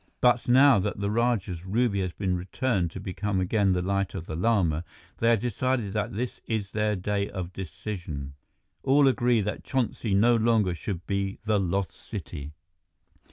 But now that the Rajah's ruby has been returned to become again the Light of the Lama, they have decided that this is their day of decision. All agree that Chonsi no longer should be the Lost City."